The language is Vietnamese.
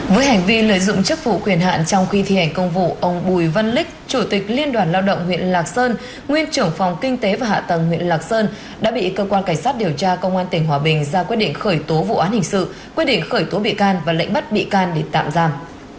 với hành vi lợi dụng chức vụ quyền hạn trong khi thi hành công vụ ông bùi văn lích chủ tịch liên đoàn lao động huyện lạc sơn nguyên trưởng phòng kinh tế và hạ tầng huyện lạc sơn đã bị cơ quan cảnh sát điều tra công an tỉnh hòa bình ra quyết định khởi tố vụ án hình sự quyết định khởi tố bị can và lệnh bắt bị can để tạm giam